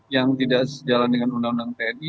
yang tidak sejalan dengan undang undang tni